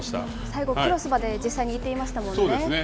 最後、クロスまで実際に入れていましたもんね。